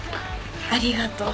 ありがとう。